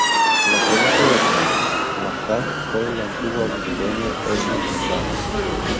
La creencia de que Bagdad fue la antigua Babilonia es infundada.